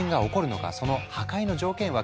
その破壊の条件は？